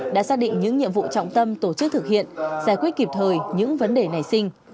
đã xác định những nhiệm vụ trọng tâm tổ chức thực hiện giải quyết kịp thời những vấn đề nảy sinh